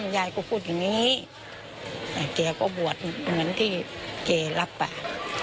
ยายก็พูดอย่างนี้แกก็บวชเหมือนที่แกรับไป